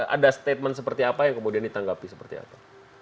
ada statement seperti apa yang kemudian ditanggapi seperti apa